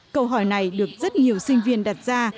câu hỏi này được rất nhiều sinh viên đặt ra